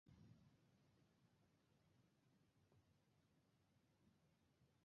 নিম্ন ও উচ্চ স্তরও রয়েছে।